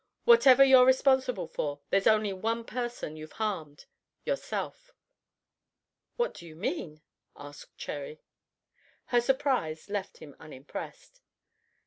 Whatever you're responsible for, there's only one person you've harmed yourself." "What do you mean?" asked Cherry. Her surprise left him unimpressed.